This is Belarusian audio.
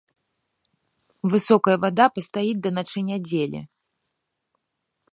Высокая вада пастаіць да начы нядзелі.